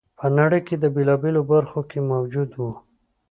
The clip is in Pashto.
په نړۍ په بېلابېلو برخو کې موجود و